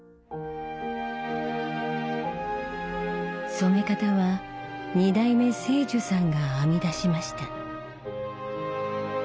染め方は２代目青樹さんが編み出しました。